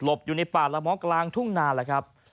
อยู่ในป่าละม้อกลางทุ่งนาแล้วครับ